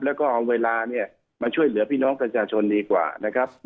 แล้วก็เอาเวลาเนี่ยมาช่วยเหลือพี่น้องประชาชนดีกว่านะครับ